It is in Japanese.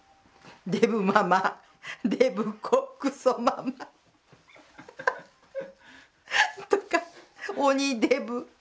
デブママデブ子クソママ。とか鬼デブ。